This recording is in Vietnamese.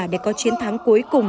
để có chiến thắng cuối cùng